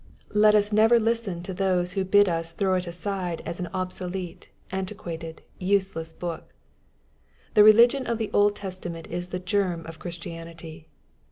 Let us never listen to those who bid us throw it aside as an obsolete^ antiquated, useless book. The religion of the Old Testament is the germ of Christianity.